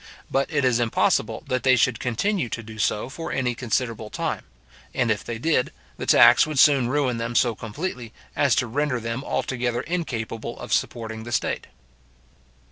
But it is impossible that they should continue to do so for any considerable time; and if they did, the tax would soon ruin them so completely, as to render them altogether incapable of supporting the state.